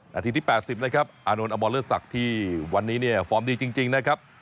นาทีที่๘๐นะครับอนุนอบอลเลอร์สักที่วันนี้เนี่ยฟอร์มดีจริงนะครับ